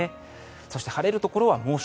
そして晴れるところは猛暑。